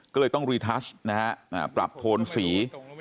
ก็เลยต้องรีทัชนะครับกลับโทนสี